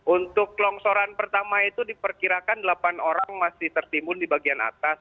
untuk longsoran pertama itu diperkirakan delapan orang masih tertimbun di bagian atas